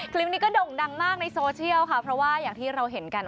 คลิปนี้ก็ด่งดังมากในโซเชียลค่ะเพราะว่าอย่างที่เราเห็นกัน